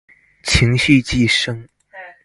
情緒寄生